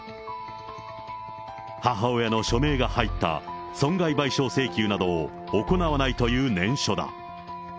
母親の署名が入った損害賠償請求などを行わないという念書だ。